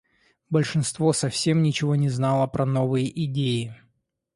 Большинство совсем ничего не знало про новые идеи.